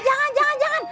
jangan jangan jangan